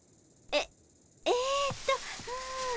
えっえっと。